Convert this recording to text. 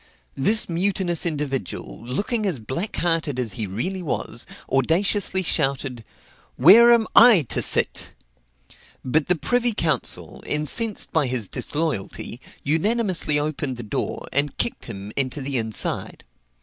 This mutinous individual, looking as blackhearted as he really was, audaciously shouted, "Where am I to sit?" But the privy council, incensed by his disloyalty, unanimously opened the door, and kicked him into the inside.